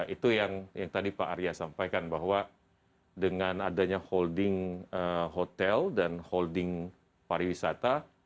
itu yang tadi pak arya sampaikan bahwa dengan adanya holding hotel dan holding pariwisata